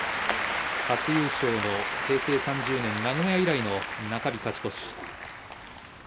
初優勝、平成３０年名古屋場所以来の中日勝ち越し。